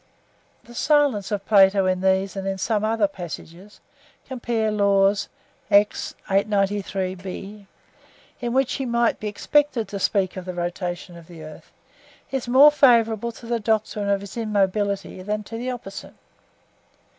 The silence of Plato in these and in some other passages (Laws) in which he might be expected to speak of the rotation of the earth, is more favourable to the doctrine of its immobility than to the opposite.